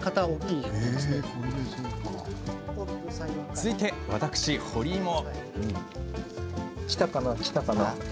続いて私、堀井も。